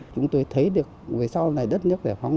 chúng tôi thấy được về sau này đất nước giải phóng